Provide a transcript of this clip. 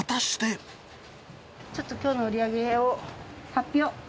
ちょっときょうの売り上げを発表。